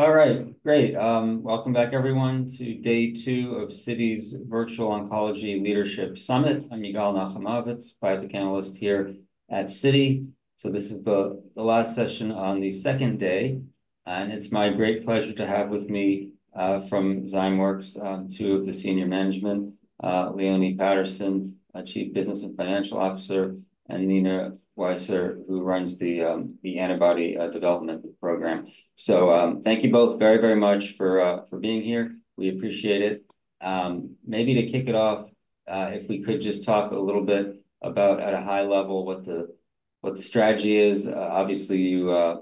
All right, great. Welcome back, everyone, to Day 2 of Citi's Virtual Oncology Leadership Summit. I'm Yigal Nochomovitz, analyst here at Citi. So this is the last session on the second day. And it's my great pleasure to have with me from Zymeworks, two of the senior management, Leone Patterson, Chief Business and Financial Officer, and Nina Weisser, who runs the antibody development program. So thank you both very, very much for being here. We appreciate it. Maybe to kick it off, if we could just talk a little bit about, at a high level, what the strategy is. Obviously, you have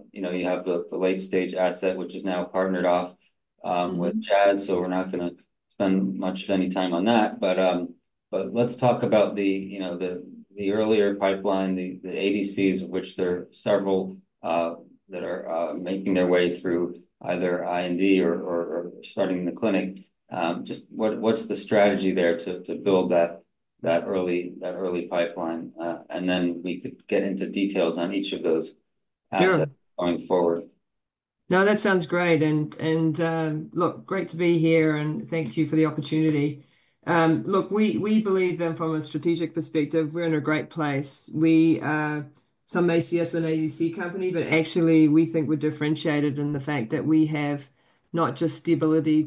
the late-stage asset, which is now partnered off with Jazz. So we're not going to spend much of any time on that. But let's talk about the earlier pipeline, the ADCs, of which there are several that are making their way through either IND or starting in the clinic. Just what's the strategy there to build that early pipeline? And then we could get into details on each of those assets going forward. No, that sounds great. Look, great to be here. Thank you for the opportunity. Look, we believe that from a strategic perspective, we're in a great place. We are some may say an ADC company, but actually, we think we're differentiated in the fact that we have not just the ability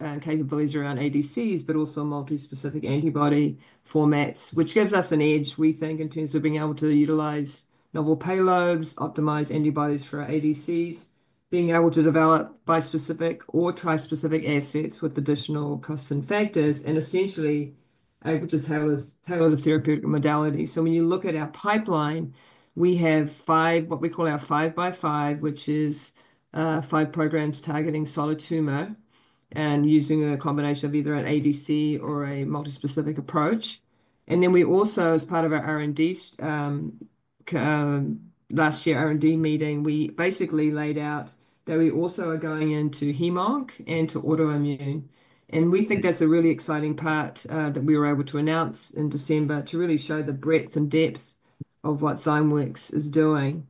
and capabilities around ADCs, but also multi-specific antibody formats, which gives us an edge, we think, in terms of being able to utilize novel payloads, optimize antibodies for our ADCs, being able to develop bispecific or trispecific assets with additional Co-Stim and factors, and essentially able to tailor the therapeutic modality. When you look at our pipeline, we have what we call our 5 by 5, which is five programs targeting solid tumor and using a combination of either an ADC or a multi-specific approach. And then we also, as part of our last year's R&D meeting, we basically laid out that we also are going into hem-onc and to autoimmune. We think that's a really exciting part that we were able to announce in December to really show the breadth and depth of what Zymeworks is doing.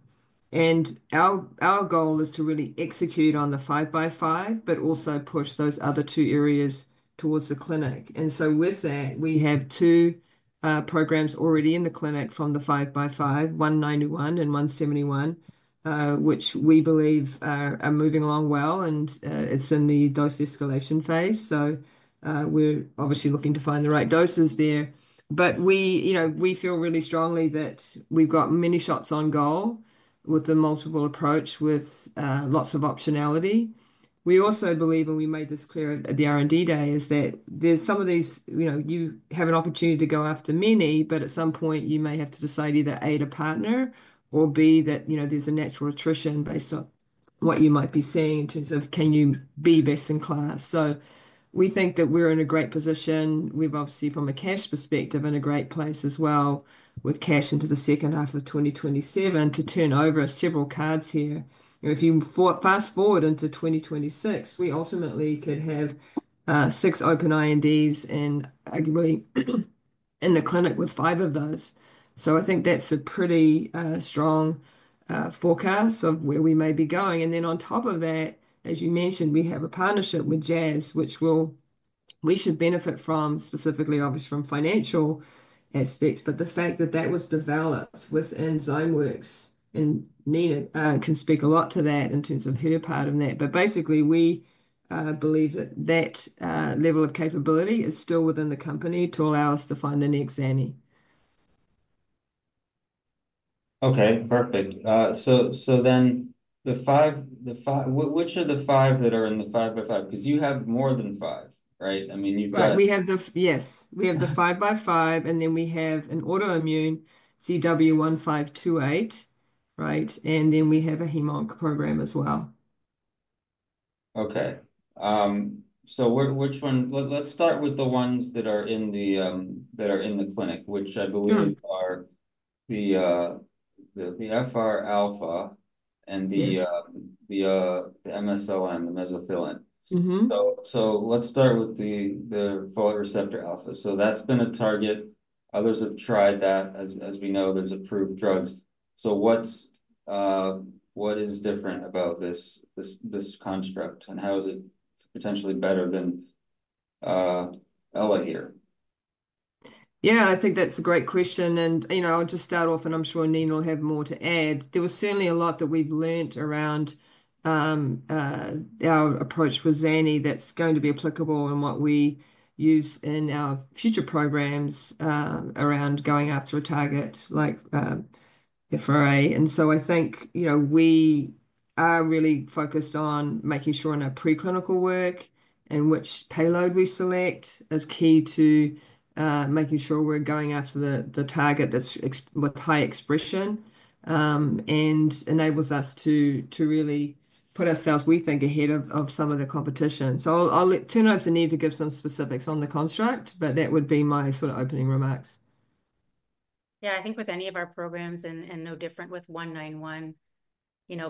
Our goal is to really execute on the 5 by 5, but also push those other two areas towards the clinic. With that, we have two programs already in the clinic from the 5 by 5, ZW191 and ZW171, which we believe are moving along well. It's in the dose escalation phase. We're obviously looking to find the right doses there. We feel really strongly that we've got many shots on goal with the multiple approach with lots of optionality. We also believe, and we made this clear at the R&D Day, is that there's some of these you have an opportunity to go after many, but at some point, you may have to decide either A, to partner, or B, that there's a natural attrition based on what you might be seeing in terms of can you be best in class. So we think that we're in a great position. We've obviously, from a cash perspective, been in a great place as well with cash into the second half of 2027 to turn over several cards here. If you fast forward into 2026, we ultimately could have six open INDs in the clinic with five of those. So I think that's a pretty strong forecast of where we may be going. And then on top of that, as you mentioned, we have a partnership with Jazz, which we should benefit from, specifically, obviously, from financial aspects. But the fact that that was developed within Zymeworks and Nina can speak a lot to that in terms of her part in that. But basically, we believe that that level of capability is still within the company to allow us to find the next Zani. Okay, perfect. So then which are the five that are in the 5 by 5? Because you have more than five, right? I mean, you've got. Yes, we have the 5 by 5. And then we have an autoimmune ZW1528, right? And then we have a hem-onc program as well. Okay. So which one? Let's start with the ones that are in the clinic, which I believe are the FRα and the mesothelin, the mesothelin. So let's start with the folate receptor-alpha. So that's been a target. Others have tried that. As we know, there's approved drugs. So what is different about this construct? And how is it potentially better than Elahere? Yeah, I think that's a great question. And just start off, and I'm sure Nina will have more to add. There was certainly a lot that we've learned around our approach with Zani that's going to be applicable in what we use in our future programs around going after a target like FRα. And so I think we are really focused on making sure in our preclinical work and which payload we select is key to making sure we're going after the target that's with high expression and enables us to really put ourselves, we think, ahead of some of the competition. So I'll turn over to Nina to give some specifics on the construct. But that would be my sort of opening remarks. Yeah, I think with any of our programs, and no different with ZW191,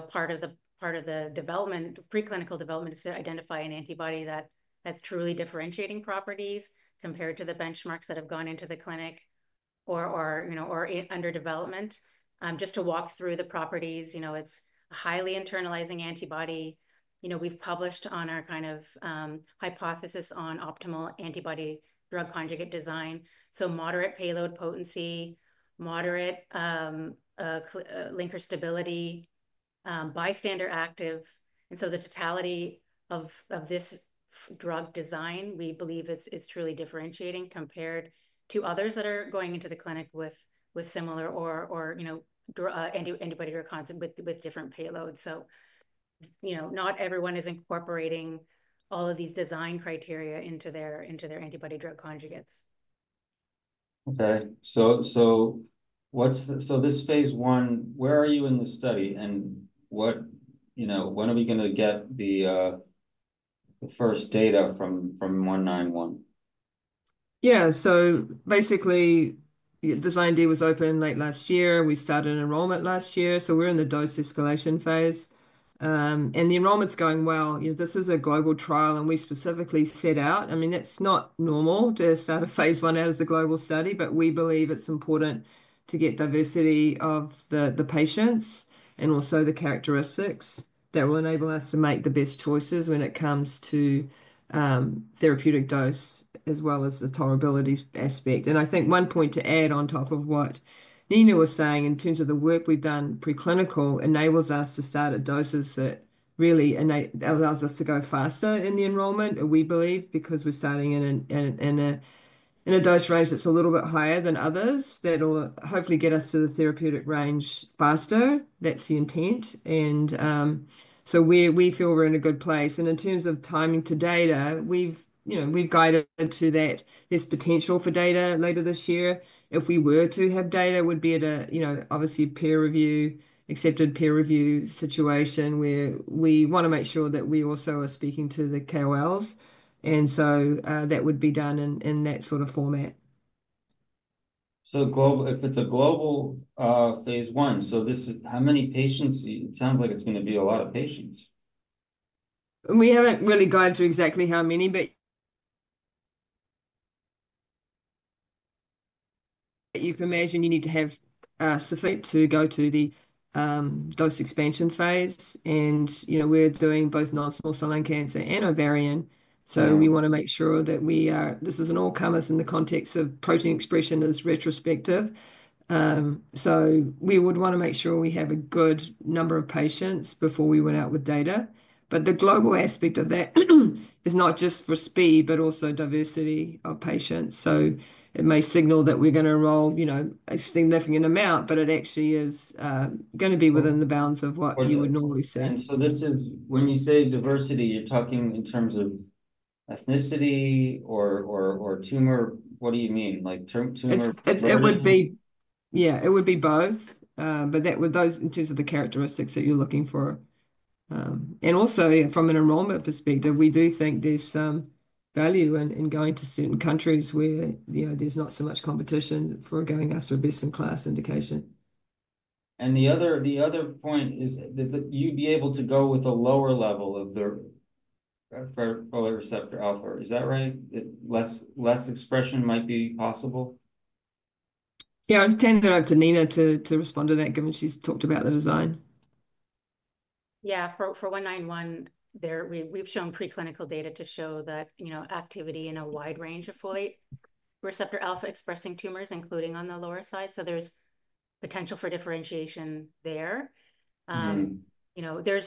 part of the development, preclinical development, is to identify an antibody that has truly differentiating properties compared to the benchmarks that have gone into the clinic or are under development. Just to walk through the properties, it's a highly internalizing antibody. We've published on our kind of hypothesis on optimal antibody-drug conjugate design. So moderate payload potency, moderate linker stability, bystander activity. And so the totality of this drug design, we believe, is truly differentiating compared to others that are going into the clinic with similar antibody-drug conjugate concept with different payloads. So not everyone is incorporating all of these design criteria into their antibody-drug conjugates. Okay. So, this phase I, where are you in the study? And when are we going to get the first data from ZW191? Yeah. So basically, this IND was open late last year. We started enrollment last year. So we're in the dose escalation phase. And the enrollment's going well. This is a global trial. And we specifically set out, I mean, it's not normal to start a phase I out as a global study, but we believe it's important to get diversity of the patients and also the characteristics that will enable us to make the best choices when it comes to therapeutic dose as well as the tolerability aspect. And I think one point to add on top of what Nina was saying in terms of the work we've done preclinical enables us to start at doses that really allows us to go faster in the enrollment, we believe, because we're starting in a dose range that's a little bit higher than others that will hopefully get us to the therapeutic range faster. That's the intent. And so we feel we're in a good place. And in terms of timing to data, we've guided to this potential for data later this year. If we were to have data, it would be at a, obviously, peer review, accepted peer review situation where we want to make sure that we also are speaking to the KOLs. And so that would be done in that sort of format. If it's a global phase 1, so how many patients? It sounds like it's going to be a lot of patients. We haven't really guided to exactly how many, but you can imagine you need to have sufficient to go to the dose expansion phase. And we're doing both non-small cell lung cancer and ovarian. So we want to make sure that this is an all-comers in the context of protein expression as retrospective. So we would want to make sure we have a good number of patients before we went out with data. But the global aspect of that is not just for speed, but also diversity of patients. So it may signal that we're going to enroll a significant amount, but it actually is going to be within the bounds of what you would normally say. And so when you say diversity, you're talking in terms of ethnicity or tumor? What do you mean? Like tumor? Yeah, it would be both, but those in terms of the characteristics that you're looking for, and also, from an enrollment perspective, we do think there's some value in going to certain countries where there's not so much competition for going after a best-in-class indication. The other point is that you'd be able to go with a lower level of the folate receptor-alpha. Is that right? Less expression might be possible? Yeah, I'll just turn it over to Nina to respond to that, given she's talked about the design. Yeah, for ZW191, we've shown preclinical data to show that activity in a wide range of folate receptor-alpha expressing tumors, including on the lower side. So there's potential for differentiation there. There's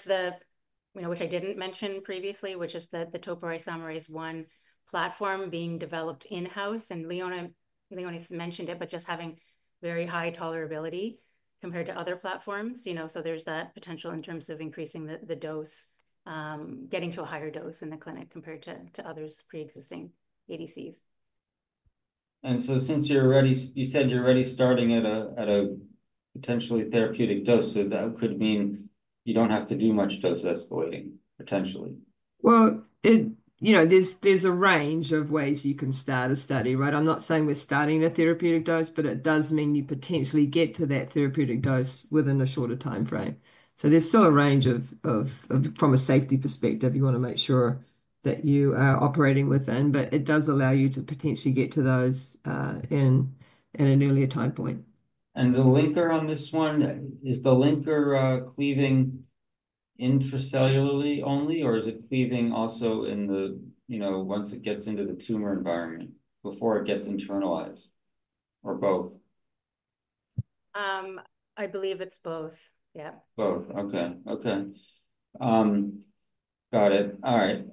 the topoisomerase I inhibitor platform being developed in-house, which I didn't mention previously. And Leone's mentioned it, but just having very high tolerability compared to other platforms. So there's that potential in terms of increasing the dose, getting to a higher dose in the clinic compared to others' pre-existing ADCs. Since you said you're already starting at a potentially therapeutic dose, so that could mean you don't have to do much dose escalating, potentially. There's a range of ways you can start a study, right? I'm not saying we're starting a therapeutic dose, but it does mean you potentially get to that therapeutic dose within a shorter time frame. So there's still a range of, from a safety perspective, you want to make sure that you are operating within. But it does allow you to potentially get to those in an earlier time point. The linker on this one, is the linker cleaving intracellularly only, or is it cleaving also once it gets into the tumor environment before it gets internalized or both? I believe it's both, yeah. Both, okay. Got it. All right.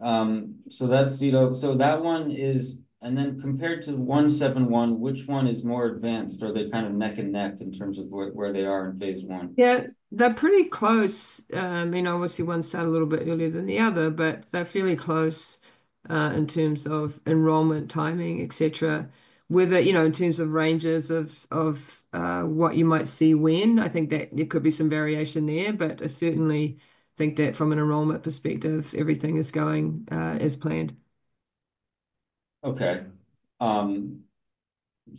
So that one is, and then compared to ZW171, which one is more advanced? Are they kind of neck and neck in terms of where they are in phase I? Yeah, they're pretty close. I mean, obviously, one's started a little bit earlier than the other, but they're fairly close in terms of enrollment timing, etc., in terms of ranges of what you might see when. I think that there could be some variation there, but I certainly think that from an enrollment perspective, everything is going as planned. Okay,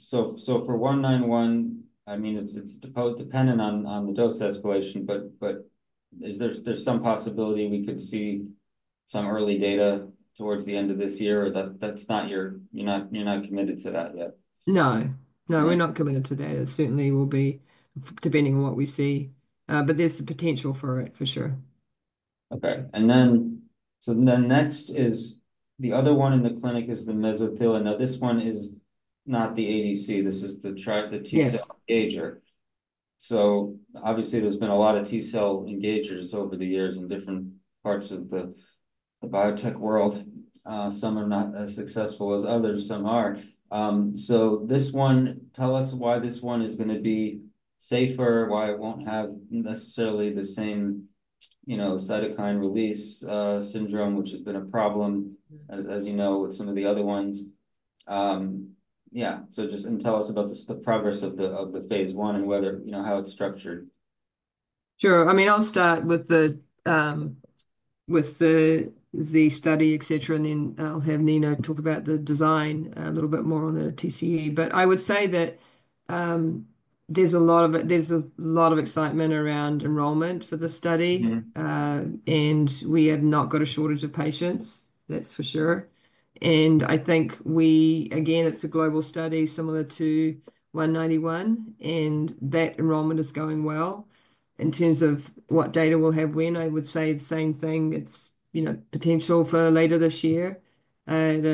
so for ZW191, I mean, it's dependent on the dose escalation, but there's some possibility we could see some early data towards the end of this year, or that's not your—you're not committed to that yet? No. No, we're not committed to that. It certainly will be depending on what we see. But there's the potential for it, for sure. Okay. And then the next is the other one in the clinic is the mesothelin. Now, this one is not the ADC. This is the T Cell engager. So obviously, there's been a lot of T Cell engagers over the years in different parts of the biotech world. Some are not as successful as others. Some are. So tell us why this one is going to be safer, why it won't have necessarily the same cytokine release syndrome, which has been a problem, as you know, with some of the other ones. Yeah. And tell us about the progress of the phase I and how it's structured. Sure. I mean, I'll start with the study, etc., and then I'll have Nina talk about the design a little bit more on the TCE. But I would say that there's a lot of, there's a lot of excitement around enrollment for the study. And we have not got a shortage of patients, that's for sure. And I think, again, it's a global study similar to ZW191. And that enrollment is going well. In terms of what data we'll have when, I would say the same thing. It's potential for later this year in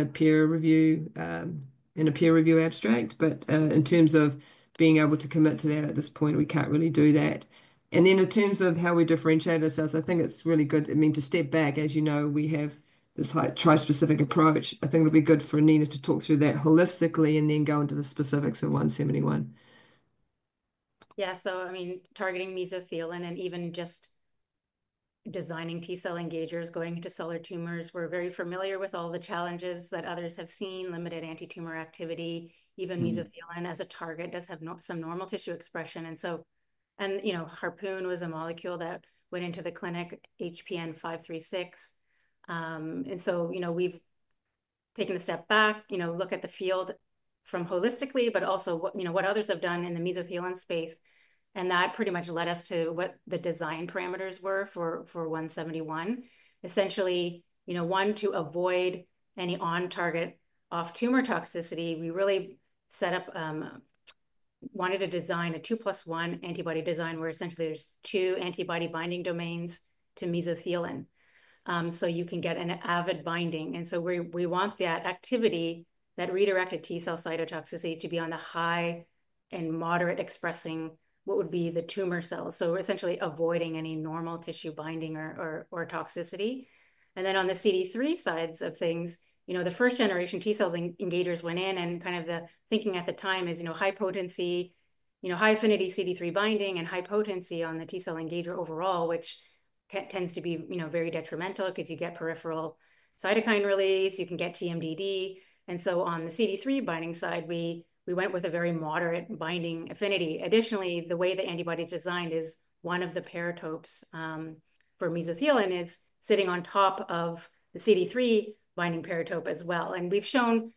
a peer review abstract. But in terms of being able to commit to that at this point, we can't really do that. And then in terms of how we differentiate ourselves, I think it's really good. I mean, to step back, as you know, we have this trispecific approach. I think it'll be good for Nina to talk through that holistically and then go into the specifics of ZW171. Yeah. So I mean, targeting mesothelin and even just designing T Cell engagers going into solid tumors, we're very familiar with all the challenges that others have seen, limited anti-tumor activity. Even mesothelin as a target does have some normal tissue expression. And Harpoon was a molecule that went into the clinic, HPN536. And so we've taken a step back, look at the field from holistically, but also what others have done in the mesothelin space. And that pretty much led us to what the design parameters were for ZW171. Essentially, one, to avoid any on-target off-tumor toxicity, we really set up, wanted to design a two-plus-one antibody design where essentially there's two antibody binding domains to mesothelin. So you can get an avid binding. And so we want that activity, that redirected T Cell cytotoxicity to be on the high and moderate expressing what would be the tumor cells. So essentially avoiding any normal tissue binding or toxicity. And then on the CD3 sides of things, the first-generation T Cell engagers went in. And kind of the thinking at the time is high potency, high affinity CD3 binding and high potency on the T Cell engager overall, which tends to be very detrimental because you get peripheral cytokine release. You can get TMDD. And so on the CD3 binding side, we went with a very moderate binding affinity. Additionally, the way the antibody is designed is one of the paratopes for mesothelin is sitting on top of the CD3 binding paratope as well. And we've shown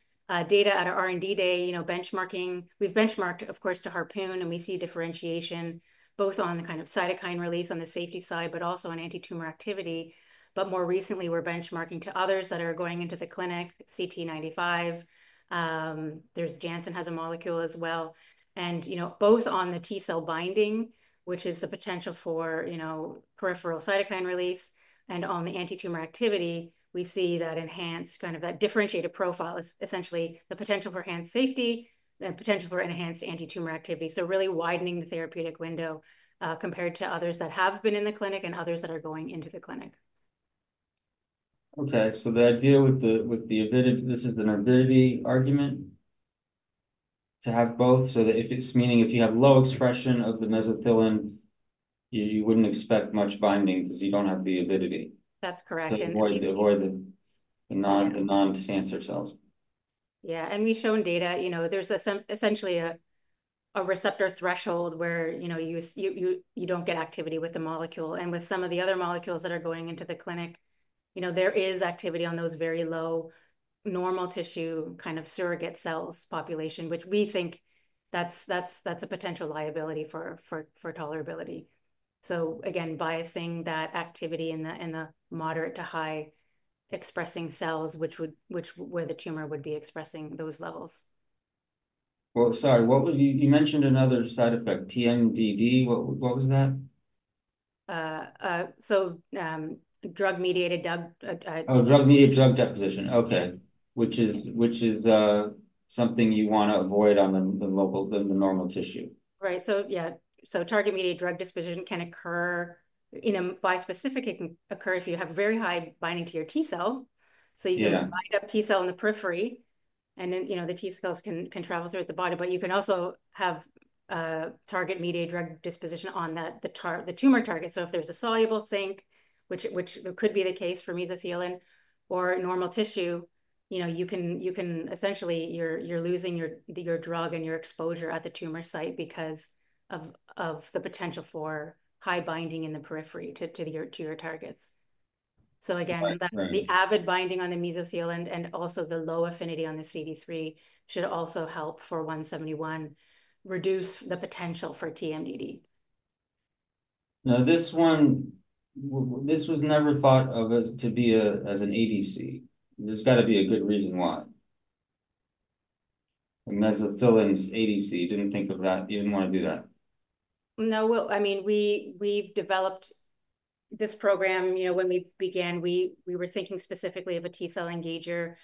data at our R&D Day benchmarking. We've benchmarked, of course, to Harpoon, and we see differentiation both on the kind of cytokine release on the safety side, but also on anti-tumor activity. But more recently, we're benchmarking to others that are going into the clinic, CT95. There's Janssen has a molecule as well. And both on the T Cell binding, which is the potential for peripheral cytokine release, and on the anti-tumor activity, we see that enhanced kind of that differentiated profile, essentially the potential for enhanced safety and potential for enhanced anti-tumor activity. So really widening the therapeutic window compared to others that have been in the clinic and others that are going into the clinic. Okay, so the idea with the, this is an avidity argument, to have both so that if it's, meaning, if you have low expression of the mesothelin, you wouldn't expect much binding because you don't have the avidity. That's correct. To avoid the non-cancer cells. Yeah. And we've shown data. There's essentially a receptor threshold where you don't get activity with the molecule. And with some of the other molecules that are going into the clinic, there is activity on those very low normal tissue kind of surrogate cells population, which we think that's a potential liability for tolerability. So again, biasing that activity in the moderate to high expressing cells, which where the tumor would be expressing those levels. Sorry. You mentioned another side effect, TMDD. What was that? So drug-mediated. Oh, target-mediated drug disposition. Okay. Which is something you want to avoid on the normal tissue. Right. So yeah. So target-mediated drug disposition can occur by specific. It can occur if you have very high binding to your T Cell. So you can bind up T Cell in the periphery, and then the T Cells can travel to the tumor. But you can also have target-mediated drug disposition on the tumor target. So if there's a soluble form, which could be the case for mesothelin, or normal tissue, you can essentially—you're losing your drug and your exposure at the tumor site because of the potential for high binding in the periphery to your targets. So again, the avid binding on the mesothelin and also the low affinity on the CD3 should also help for ZW171 reduce the potential for TMDD. Now, this one, this was never thought of as an ADC. There's got to be a good reason why. The mesothelin's ADC. You didn't think of that. You didn't want to do that. No. I mean, we've developed this program. When we began, we were thinking specifically of a T Cell engager.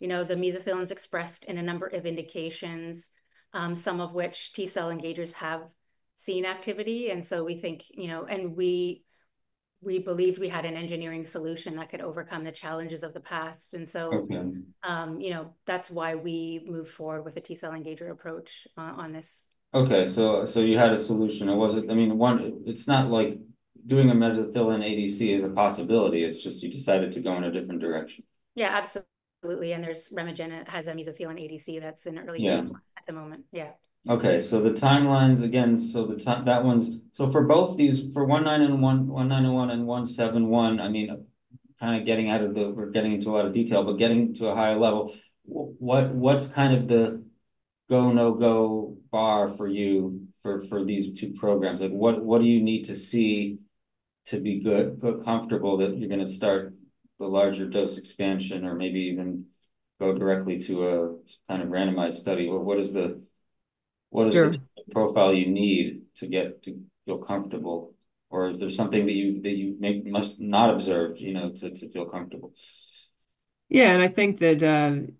The mesothelin's expressed in a number of indications, some of which T Cell engagers have seen activity. And so we think, and we believed we had an engineering solution that could overcome the challenges of the past. And so that's why we moved forward with a T Cell engager approach on this. Okay. So you had a solution. I mean, it's not like doing a mesothelin ADC is a possibility. It's just you decided to go in a different direction. Yeah, absolutely. And RemeGen has a mesothelin ADC that's in early phase I at the moment. Yeah. Okay. So the timelines, again, so that one's, so for both these, for ZW191 and ZW171, I mean, kind of getting out of the, we're getting into a lot of detail, but getting to a higher level. What's kind of the go, no-go bar for you for these two programs? What do you need to see to be comfortable that you're going to start the larger dose expansion or maybe even go directly to a kind of randomized study? What is the profile you need to feel comfortable? Or is there something that you must not observe to feel comfortable? Yeah. And I think that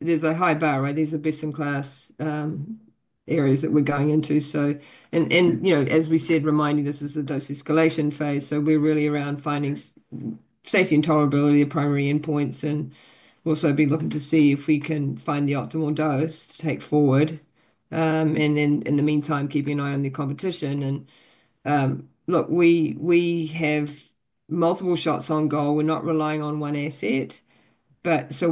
there's a high bar, right? These are best-in-class areas that we're going into. And as we said, remind you, this is the dose escalation phase. So we're really around finding safety and tolerability of primary endpoints. And we'll also be looking to see if we can find the optimal dose to take forward. And then in the meantime, keeping an eye on the competition. And look, we have multiple shots on goal. We're not relying on one asset. So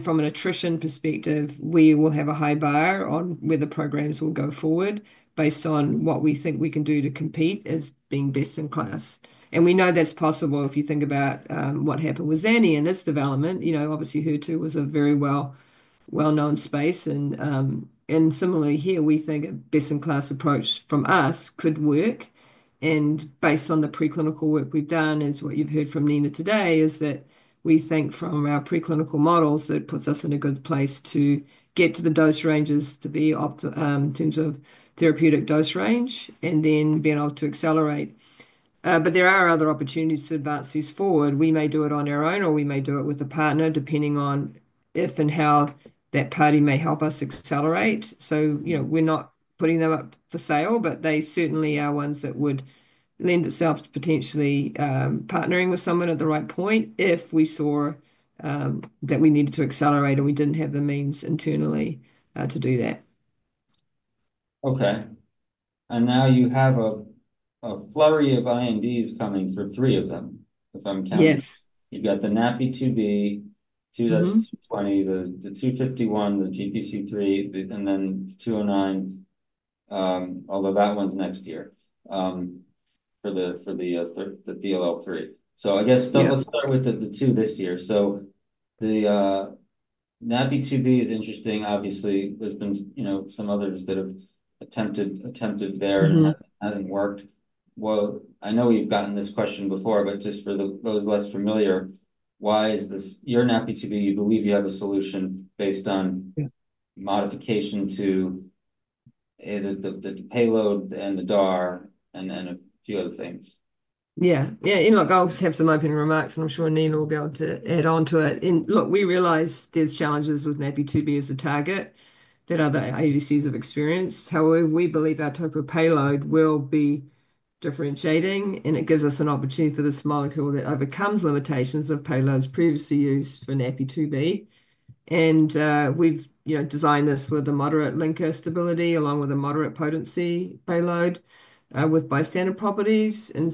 from an attrition perspective, we will have a high bar on where the programs will go forward based on what we think we can do to compete as being best in class. And we know that's possible if you think about what happened with Zani and its development. Obviously, HER2 was a very well-known space. And similarly here, we think a best-in-class approach from us could work. And based on the preclinical work we've done, as what you've heard from Nina today, is that we think from our preclinical models, it puts us in a good place to get to the dose ranges to be in terms of therapeutic dose range and then being able to accelerate. But there are other opportunities to advance these forward. We may do it on our own, or we may do it with a partner, depending on if and how that party may help us accelerate. So we're not putting them up for sale, but they certainly are ones that would lend itself to potentially partnering with someone at the right point if we saw that we needed to accelerate and we didn't have the means internally to do that. Okay. And now you have a flurry of INDs coming for three of them, if I'm counting. You've got the NaPi2b, ZW220, the ZW251, the GPC3, and then ZW209, although that one's next year for the DLL3. So I guess let's start with the two this year. So the NaPi2b is interesting. Obviously, there's been some others that have attempted there and it hasn't worked. Well, I know we've gotten this question before, but just for those less familiar, why is this your NaPi2b? You believe you have a solution based on modification to the payload and the DAR and a few other things. Yeah. Yeah. I'll have some open remarks, and I'm sure Nina will be able to add on to it. And look, we realize there's challenges with NaPi2b as a target that other ADCs have experienced. However, we believe our type of payload will be differentiating, and it gives us an opportunity for this molecule that overcomes limitations of payloads previously used for NaPi2b. And we've designed this with a moderate linker stability along with a moderate potency payload with bystander properties. And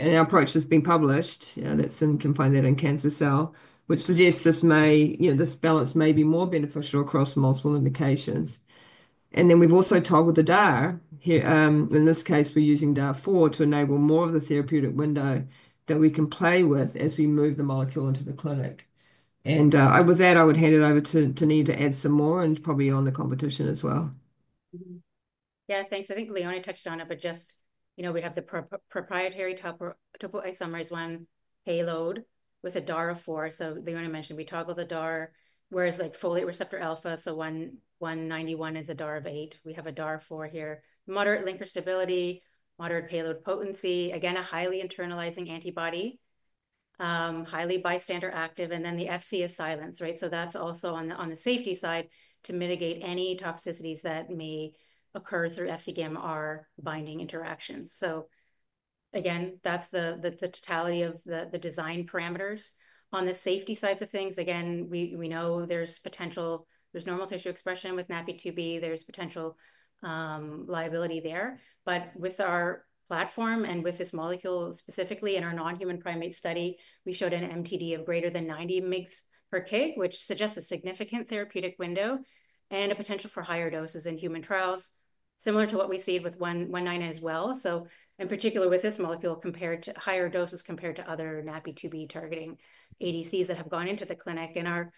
our approach has been published. You can find that in Cancer Cell, which suggests this balance may be more beneficial across multiple indications. And then we've also toggled the DAR. In this case, we're using DAR 4 to enable more of the therapeutic window that we can play with as we move the molecule into the clinic. With that, I would hand it over to Nina to add some more and probably on the competition as well. Yeah. Thanks. I think Leone touched on it, but just we have the proprietary topoisomerase I inhibitor payload with a DAR 4. So Leone mentioned we toggle the DAR, whereas folate receptor-alpha, so ZW191 is a DAR of eight. We have a DAR 4 here. Moderate linker stability, moderate payload potency. Again, a highly internalizing antibody, highly bystander active. And then the Fc is silenced, right? So that's also on the safety side to mitigate any toxicities that may occur through Fc-gamma receptor binding interactions. So again, that's the totality of the design parameters. On the safety sides of things, again, we know there's potential. There's normal tissue expression with NaPi2b. There's potential liability there. But with our platform and with this molecule specifically in our non-human primate study, we showed an MTD of greater than 90 mg/kg, which suggests a significant therapeutic window and a potential for higher doses in human trials, similar to what we see with ZW191 as well. So in particular, with this molecule, higher doses compared to other NaPi2b targeting ADCs that have gone into the clinic. In our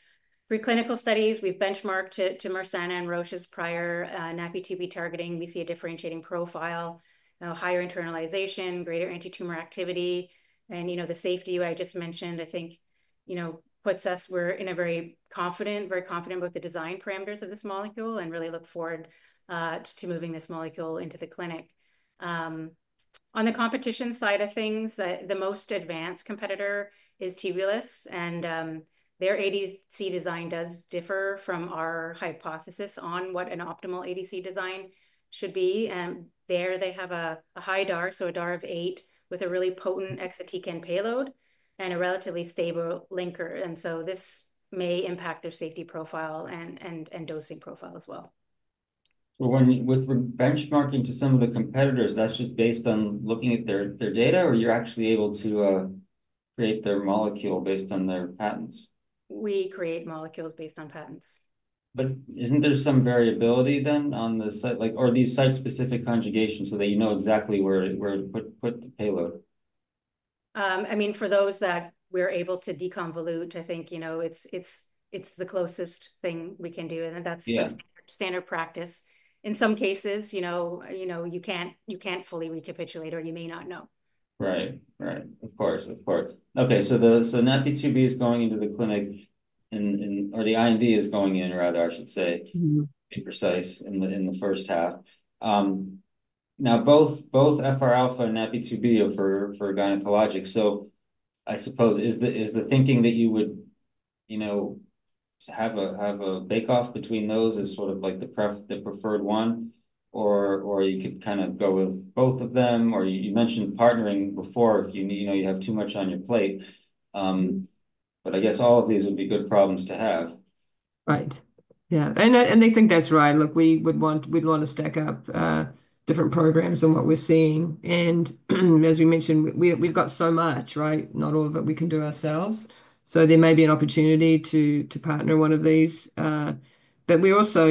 preclinical studies, we've benchmarked to Mersana and Roche's prior NaPi2b targeting. We see a differentiating profile, higher internalization, greater anti-tumor activity. And the safety I just mentioned, I think puts us, we're very confident, very confident with the design parameters of this molecule and really look forward to moving this molecule into the clinic. On the competition side of things, the most advanced competitor is Tubulis. And their ADC design does differ from our hypothesis on what an optimal ADC design should be. And there, they have a high DAR, so a DAR of eight with a really potent exotic payload and a relatively stable linker. And so this may impact their safety profile and dosing profile as well. So with benchmarking to some of the competitors, that's just based on looking at their data, or you're actually able to create their molecule based on their patents? We create molecules based on patents. Isn't there some variability then on the site? Or are these site-specific conjugations so that you know exactly where to put the payload? I mean, for those that we're able to deconvolute, I think it's the closest thing we can do. And that's standard practice. In some cases, you can't fully recapitulate or you may not know. Right. Right. Of course. Of course. Okay. So NaPi2b is going into the clinic, or the IND is going in, rather, I should say, to be precise in the first half. Now, both FRα and NaPi2b are for gynecologics. So I suppose is the thinking that you would have a bake-off between those as sort of the preferred one? Or you could kind of go with both of them? Or you mentioned partnering before if you have too much on your plate. But I guess all of these would be good problems to have. Right. Yeah. And I think that's right. Look, we'd want to stack up different programs than what we're seeing. And as we mentioned, we've got so much, right? Not all of it we can do ourselves. So there may be an opportunity to partner one of these. But we also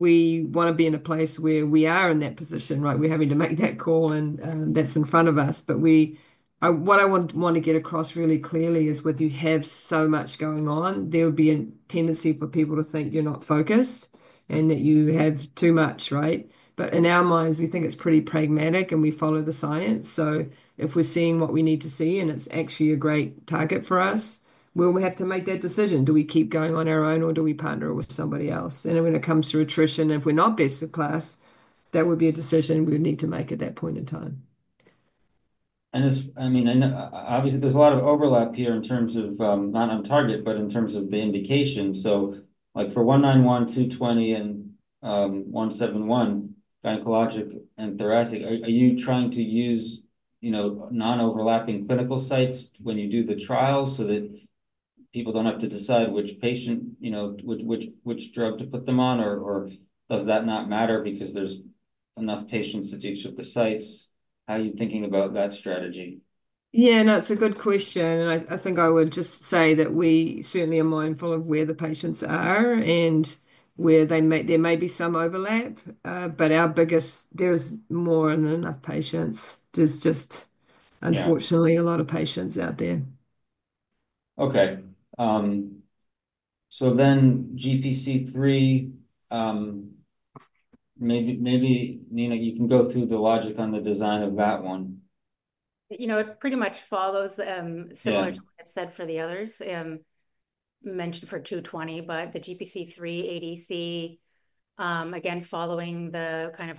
want to be in a place where we are in that position, right? We're having to make that call, and that's in front of us. But what I want to get across really clearly is with you have so much going on, there would be a tendency for people to think you're not focused and that you have too much, right? But in our minds, we think it's pretty pragmatic, and we follow the science. So if we're seeing what we need to see and it's actually a great target for us, we'll have to make that decision. Do we keep going on our own, or do we partner with somebody else? And when it comes to attrition, if we're not best in class, that would be a decision we would need to make at that point in time. I mean, obviously, there's a lot of overlap here in terms of not on target, but in terms of the indication. So for 191, ZW220, and ZW171, gynecologic and thoracic, are you trying to use non-overlapping clinical sites when you do the trials so that people don't have to decide which patient, which drug to put them on? Or does that not matter because there's enough patients at each of the sites? How are you thinking about that strategy? Yeah. No, it's a good question. And I think I would just say that we certainly are mindful of where the patients are and where there may be some overlap. But there is more than enough patients. There's just, unfortunately, a lot of patients out there. Okay. So then GPC3, maybe Nina, you can go through the logic on the design of that one. It pretty much follows similar to what I've said for the others mentioned for ZW220, but the GPC3 ADC, again, following the kind of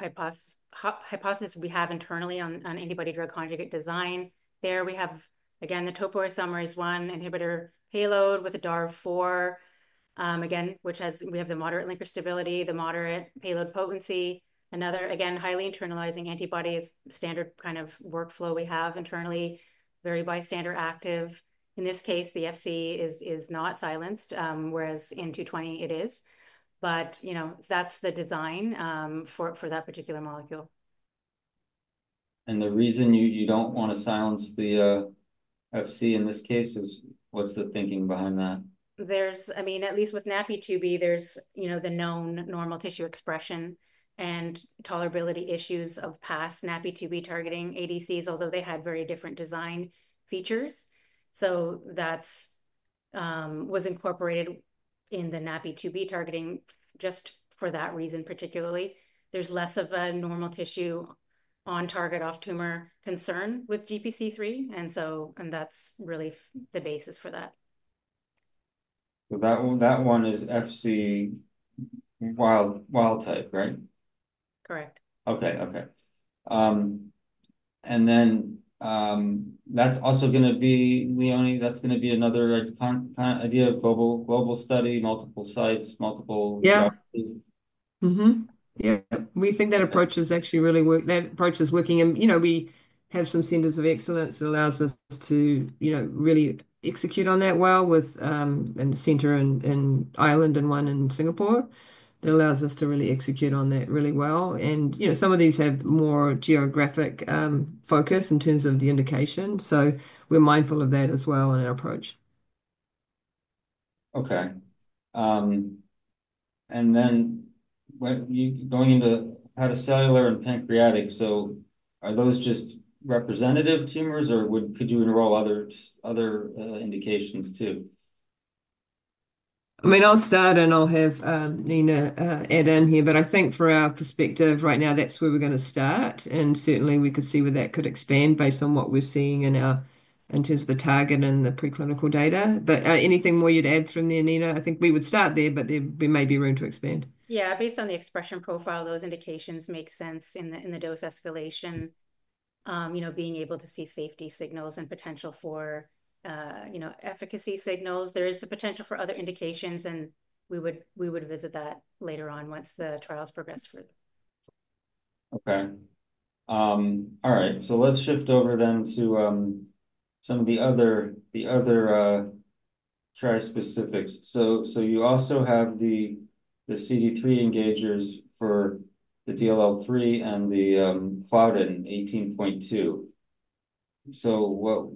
hypothesis we have internally on antibody-drug conjugate design. There we have, again, the topoisomerase I inhibitor payload with a DAR 4, again, which we have the moderate linker stability, the moderate payload potency. Another, again, highly internalizing antibody is standard kind of workflow we have internally, very bystander active. In this case, the Fc is not silenced, whereas in ZW220, it is. But that's the design for that particular molecule. The reason you don't want to silence the Fc in this case is what's the thinking behind that? I mean, at least with NaPi2b, there's the known normal tissue expression and tolerability issues of past NaPi2b targeting ADCs, although they had very different design features. So that was incorporated in the NaPi2b targeting just for that reason particularly. There's less of a normal tissue on target off tumor concern with GPC3. And that's really the basis for that. That one is Fc wildtype, right? Correct. Okay. And then that's also going to be Leone? That's going to be another idea of global study, multiple sites? Yeah. Yeah. We think that approach is actually really working. That approach is working, and we have some centers of excellence that allows us to really execute on that well with a center in Ireland and one in Singapore that allows us to really execute on that really well, and some of these have more geographic focus in terms of the indication, so we're mindful of that as well in our approach. Okay. And then going into hepatocellular and pancreatic, so are those just representative tumors, or could you enroll other indications too? I mean, I'll start, and I'll have Nina add in here. But I think from our perspective right now, that's where we're going to start. And certainly, we could see where that could expand based on what we're seeing in terms of the target and the preclinical data. But anything more you'd add from there, Nina? I think we would start there, but there may be room to expand. Yeah. Based on the expression profile, those indications make sense in the dose escalation, being able to see safety signals and potential for efficacy signals. There is the potential for other indications, and we would visit that later on once the trials progress further. Okay. All right. So let's shift over then to some of the other trispecifics. So you also have the CD3 engagers for the DLL3 and the Claudin 18.2. So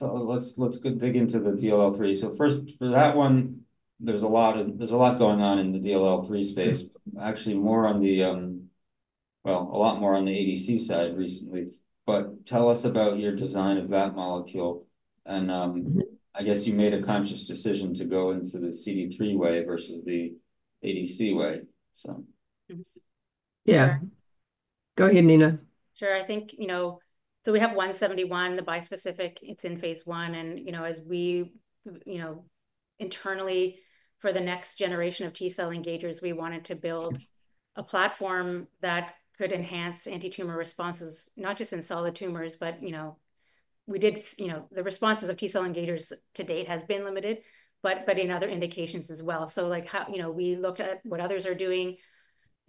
let's dig into the DLL3. So first, for that one, there's a lot going on in the DLL3 space, actually more on the, well, a lot more on the ADC side recently. But tell us about your design of that molecule. And I guess you made a conscious decision to go into the CD3 way versus the ADC way, so. Yeah. Go ahead, Nina. Sure. I think so we have ZW171, the bispecific. It's in phase I. And as we internally, for the next generation of T cell engagers, we wanted to build a platform that could enhance anti-tumor responses, not just in solid tumors, but we did the responses of T cell engagers to date have been limited, but in other indications as well. So we looked at what others are doing.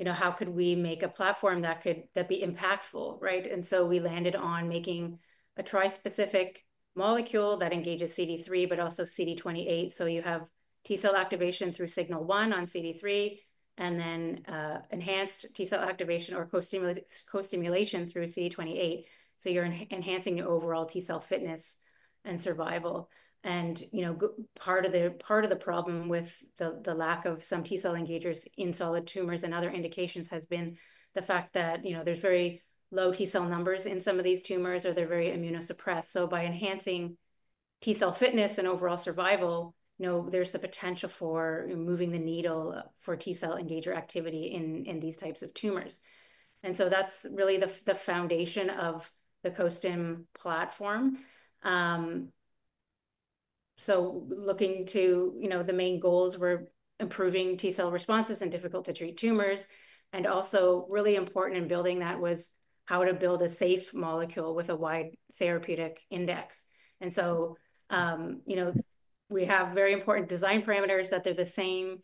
How could we make a platform that could be impactful, right? And so we landed on making a trispecific molecule that engages CD3, but also CD28. So you have T cell activation through signal one on CD3, and then enhanced T cell activation or co-stimulation through CD28. So you're enhancing your overall T cell fitness and survival. Part of the problem with the lack of some T cell engagers in solid tumors and other indications has been the fact that there's very low T cell numbers in some of these tumors, or they're very immunosuppressed. By enhancing T cell fitness and overall survival, there's the potential for moving the needle for T cell engager activity in these types of tumors. That's really the foundation of the Co-Stim platform. Looking to the main goals were improving T cell responses in difficult-to-treat tumors. Also really important in building that was how to build a safe molecule with a wide therapeutic index. We have very important design parameters that they're the same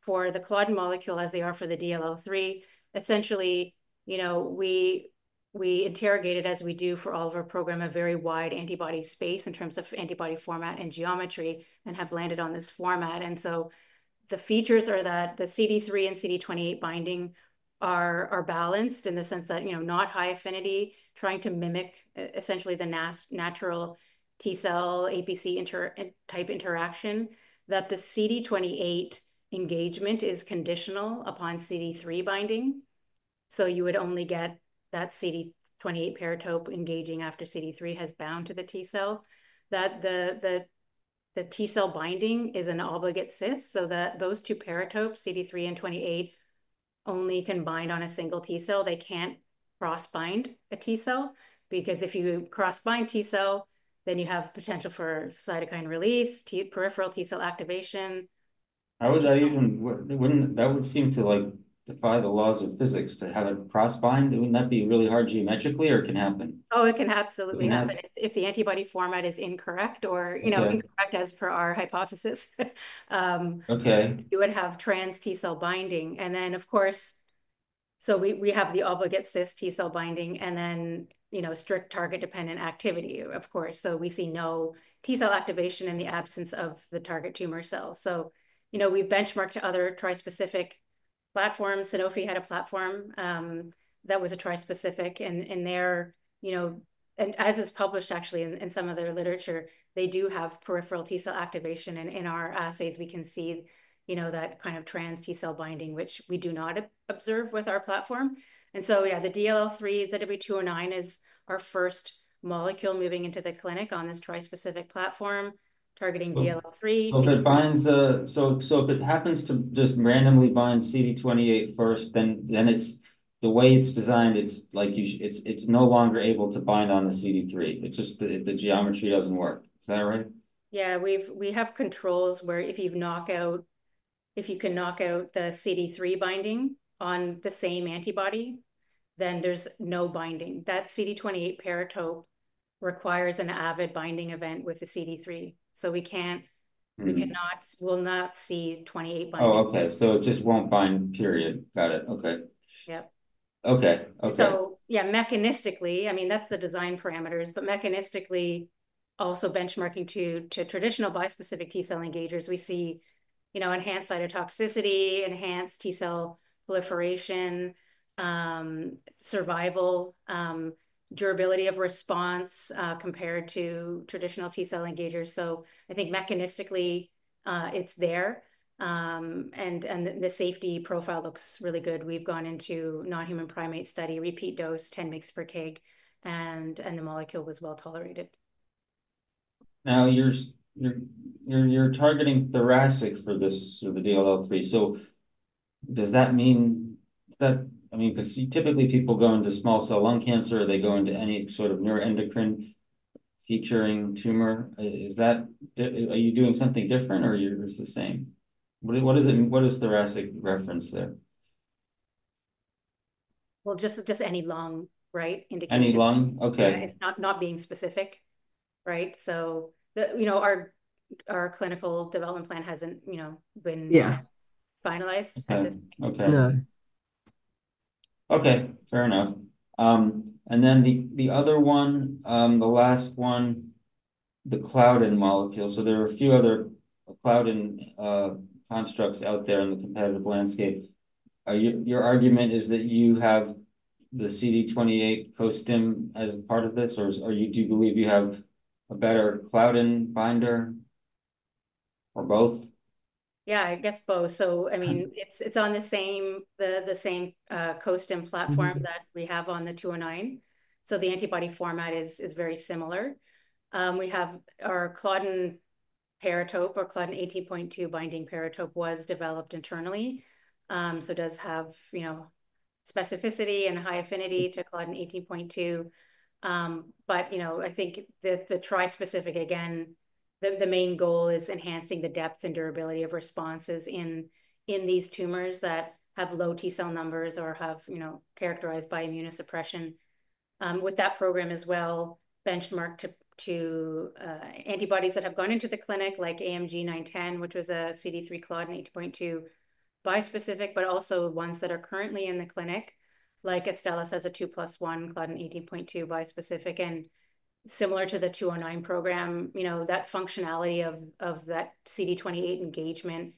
for the Claudin molecule as they are for the DLL3. Essentially, we interrogated, as we do for all of our program, a very wide antibody space in terms of antibody format and geometry and have landed on this format. The features are that the CD3 and CD28 binding are balanced in the sense that not high affinity, trying to mimic essentially the natural T cell APC type interaction, that the CD28 engagement is conditional upon CD3 binding. You would only get that CD28 paratope engaging after CD3 has bound to the T cell. The T cell binding is an obligate cis. Those two paratopes, CD3 and CD28, only can bind on a single T cell. They can't cross-bind T cell, then you have potential for cytokine release, peripheral T cell activation. How would that even, that would seem to defy the laws of physics to have it cross-bind? Wouldn't that be really hard geometrically, or it can happen? Oh, it can absolutely happen if the antibody format is incorrect or incorrect as per our hypothesis. You would have trans T cell binding. Then, of course, so we have the obligate cis T cell binding and then strict target-dependent activity, of course. We see no T cell activation in the absence of the target tumor cells. We've benchmarked to other trispecific platforms. Sanofi had a platform that was a trispecific. As it's published, actually, in some of their literature, they do have peripheral T cell activation. In our assays, we can see that kind of trans T cell binding, which we do not observe with our platform. Yeah, the DLL3 ZW209 is our first molecule moving into the clinic on this trispecific platform targeting DLL3. So if it happens to just randomly bind CD28 first, then the way it's designed, it's no longer able to bind on the CD3. It's just the geometry doesn't work. Is that right? Yeah. We have controls where if you can knock out the CD3 binding on the same antibody, then there's no binding. That CD28 paratope requires an avid binding event with the CD3. So we cannot. We will not see CD28 binding. Oh, okay. So it just won't bind, period. Got it. Okay. Yep. Okay. Okay. So, yeah, mechanistically, I mean, that's the design parameters. But mechanistically, also benchmarking to traditional bispecific T cell engagers, we see enhanced cytotoxicity, enhanced T cell proliferation, survival, durability of response compared to traditional T cell engagers. So I think mechanistically, it's there. And the safety profile looks really good. We've gone into non-human primate study, repeat dose, 10 weeks per take, and the molecule was well tolerated. Now, you're targeting thoracic for the DLL3. So does that mean that, I mean, because typically, people go into small cell lung cancer, they go into any sort of neuroendocrine tumor. Are you doing something different, or it's the same? What is thoracic reference there? Just any lung, right, indications. Any lung? Okay. Yeah. Not being specific, right? So our clinical development plan hasn't been finalized at this point. Okay. Okay. Fair enough. And then the other one, the last one, the Claudin molecule. So there are a few other Claudin constructs out there in the competitive landscape. Your argument is that you have the CD28 Co-Stim as part of this, or do you believe you have a better Claudin binder or both? Yeah, I guess both. So, I mean, it's on the same Co-Stim platform that we have on the ZW209. So the antibody format is very similar. Our Claudin paratope or Claudin 18.2 binding paratope was developed internally. So it does have specificity and high affinity to Claudin 18.2. But I think the trispecific, again, the main goal is enhancing the depth and durability of responses in these tumors that have low T cell numbers or have characterized by immunosuppression. With that program as well, benchmark to antibodies that have gone into the clinic, like AMG 910, which was a CD3 Claudin 18.2 bispecific, but also ones that are currently in the clinic, like Astellas has a 2+1 Claudin 18.2 bispecific. And similar to the ZW209 program, that functionality of that CD28 engagement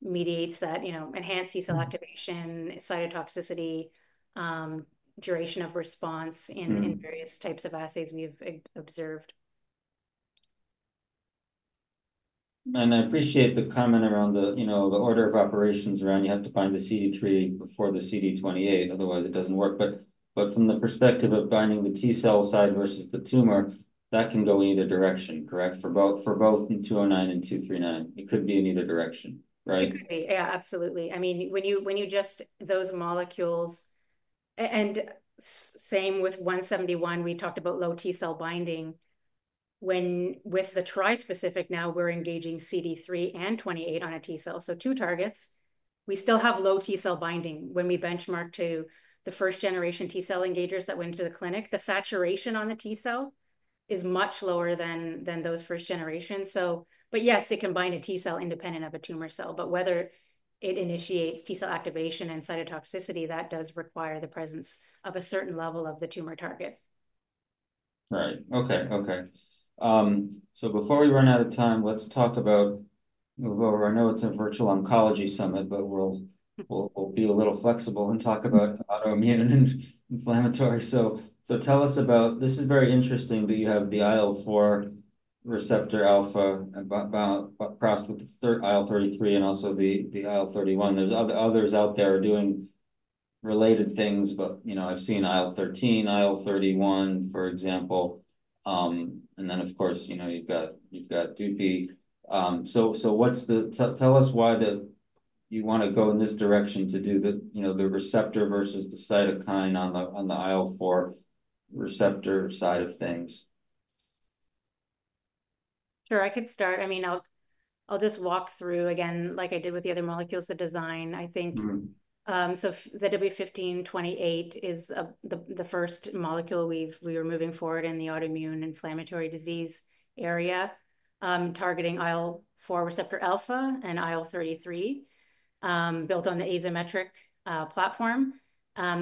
mediates that enhanced T cell activation, cytotoxicity, duration of response in various types of assays we've observed. I appreciate the comment around the order of operations around you have to bind the CD3 before the CD28. Otherwise, it doesn't work. But from the perspective of binding the T Cell side versus the tumor, that can go in either direction, correct? For both in ZW209 and 239, it could be in either direction, right? It could be. Yeah, absolutely. I mean, when you just those molecules and same with ZW171, we talked about low T Cell binding. With the trispecific now, we're engaging CD3 and CD28 on a T Cell. So two targets. We still have low T Cell binding when we benchmark to the first-generation T Cell engagers that went into the clinic. The saturation on the T Cell is much lower than those first-generation. But yes, it can bind a T Cell independent of a tumor cell. But whether it initiates T Cell activation and cytotoxicity, that does require the presence of a certain level of the tumor target. All right. Okay. Okay. So before we run out of time, let's talk about. Move over. I know it's a virtual oncology summit, but we'll be a little flexible and talk about autoimmune and inflammatory. So tell us about. This is very interesting that you have the IL-4 receptor alpha crossed with IL-33 and also the IL-31. There's others out there doing related things, but I've seen IL-13, IL-31, for example. And then, of course, you've got Dupi. So tell us why you want to go in this direction to do the receptor versus the cytokine on the IL-4 receptor side of things. Sure. I could start. I mean, I'll just walk through again, like I did with the other molecules, the design, I think. So ZW1528 is the first molecule we were moving forward in the autoimmune inflammatory disease area, targeting IL-4 receptor alpha and IL-33, built on the Azymetric platform.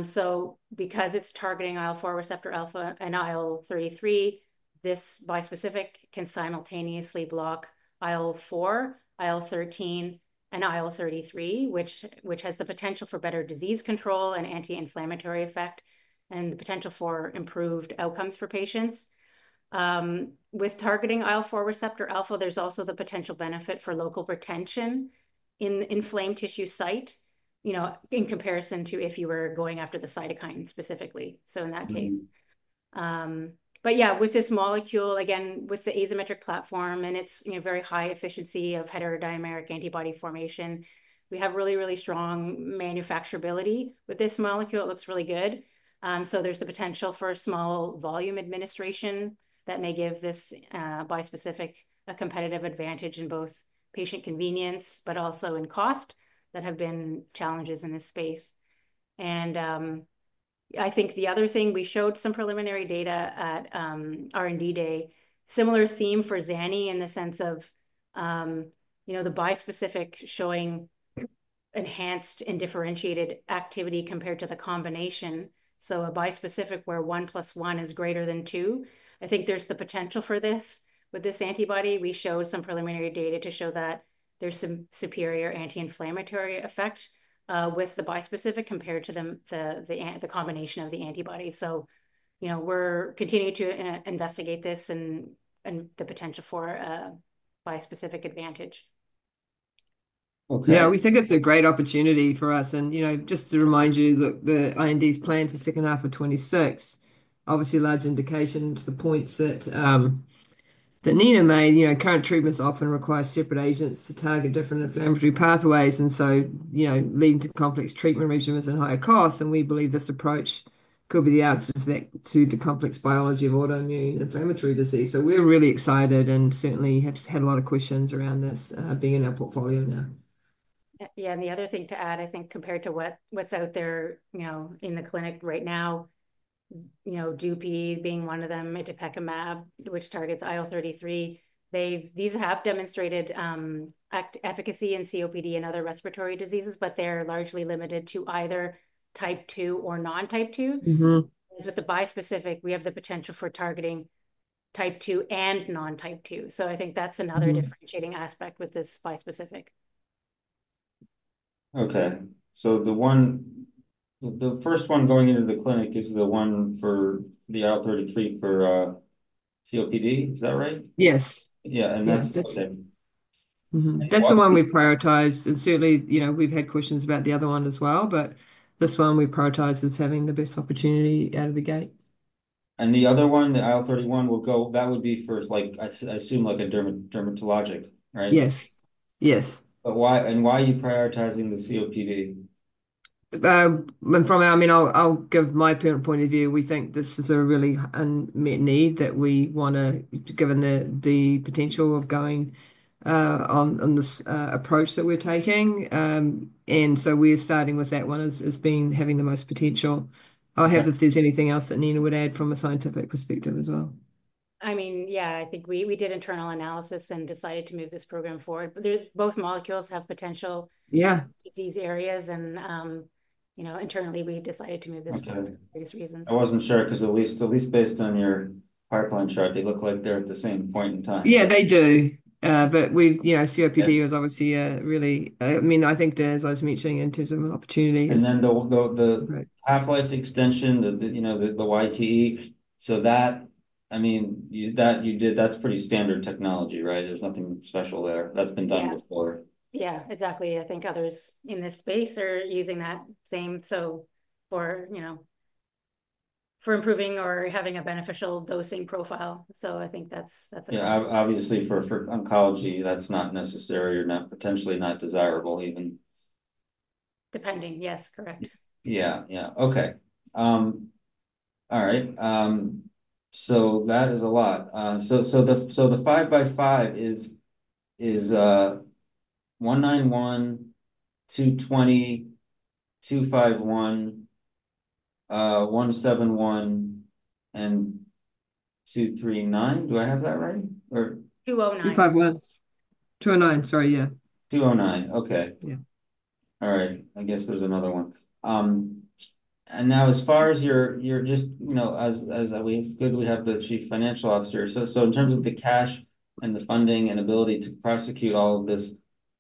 So because it's targeting IL-4 receptor alpha and IL-33, this bispecific can simultaneously block IL-4, IL-13, and IL-33, which has the potential for better disease control and anti-inflammatory effect and the potential for improved outcomes for patients. With targeting IL-4 receptor alpha, there's also the potential benefit for local retention in inflamed tissue site in comparison to if you were going after the cytokine specifically. So in that case. But yeah, with this molecule, again, with the Azymetric platform and its very high efficiency of heterodimeric antibody formation, we have really, really strong manufacturability with this molecule. It looks really good. So there's the potential for small volume administration that may give this bispecific a competitive advantage in both patient convenience, but also in cost that have been challenges in this space. And I think the other thing, we showed some preliminary data at R&D Day, similar theme for Zani in the sense of the bispecific showing enhanced and differentiated activity compared to the combination. So a bispecific where 1 plus 1 is greater than 2. I think there's the potential for this with this antibody. We showed some preliminary data to show that there's some superior anti-inflammatory effect with the bispecific compared to the combination of the antibody. So we're continuing to investigate this and the potential for bispecific advantage. Okay. Yeah, we think it's a great opportunity for us. And just to remind you, the IND is planned for second half of 2026, obviously large indications to the points that Nina made. Current treatments often require separate agents to target different inflammatory pathways. And so leading to complex treatment regimens and higher costs. And we believe this approach could be the answer to the complex biology of autoimmune inflammatory disease. So we're really excited and certainly have had a lot of questions around this being in our portfolio now. Yeah. And the other thing to add, I think compared to what's out there in the clinic right now, Dupi being one of them, Itepekimab, which targets IL-33, these have demonstrated efficacy in COPD and other respiratory diseases, but they're largely limited to either type 2 or non-type 2. With the bispecific, we have the potential for targeting type 2 and non-type 2. So I think that's another differentiating aspect with this bispecific. Okay. So the first one going into the clinic is the one for the IL-33 for COPD. Is that right? Yes. Yeah, and that's okay. That's the one we prioritize. And certainly, we've had questions about the other one as well. But this one, we prioritize as having the best opportunity out of the gate. The other one, the IL-31, that would be for, I assume, like a dermatologic, right? Yes. Yes. Why are you prioritizing the COPD? I mean, I'll give my point of view. We think this is a really unmet need that we want to, given the potential of going on this approach that we're taking. And so we're starting with that one as being having the most potential. I'll have if there's anything else that Nina would add from a scientific perspective as well. I mean, yeah, I think we did internal analysis and decided to move this program forward. Both molecules have potential disease areas, and internally, we decided to move this for various reasons. I wasn't sure because at least based on your pipeline chart, they look like they're at the same point in time. Yeah, they do, but COPD was obviously a really, I mean, I think, as I was mentioning, in terms of opportunities. Then the half-life extension, the YTE, so that, I mean, you did, that's pretty standard technology, right? There's nothing special there. That's been done before. Yeah. Yeah. Exactly. I think others in this space are using that same for improving or having a beneficial dosing profile. So I think that's a good. Yeah. Obviously, for oncology, that's not necessary or potentially not desirable even. Depending. Yes. Correct. Yeah. Yeah. Okay. All right. So that is a lot. So the 5 by 5 is ZW191, ZW220, ZW251, ZW171, and ZW239. Do I have that right? Or? ZW209. ZW209. Sorry. Yeah. Okay. All right. I guess there's another one. And now, as far as you're just—it's good we have the Chief Financial Officer. So in terms of the cash and the funding and ability to prosecute all of this,